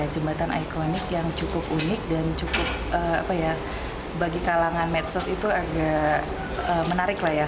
jembatan ikon yang cukup unik dan bagi kalangan medsos itu agak menarik